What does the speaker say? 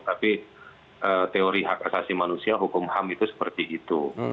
tapi teori hak asasi manusia hukum ham itu seperti itu